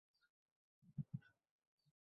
নাহ এখন না, অগ্রিম টাকা পাওয়ার পর।